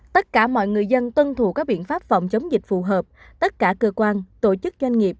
tất cả mọi người dân tuân thủ các biện pháp phòng chống dịch phù hợp tất cả cơ quan tổ chức doanh nghiệp